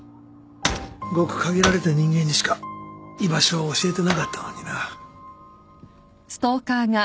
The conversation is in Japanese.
ごく限られた人間にしか居場所は教えてなかったのにな。